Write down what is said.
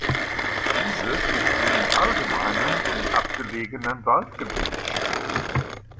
Diese finden im Allgemeinen in abgelegenen Waldgebieten statt.